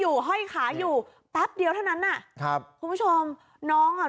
ห้อยขาอยู่แป๊บเดียวเท่านั้นอ่ะครับคุณผู้ชมน้องอ่ะ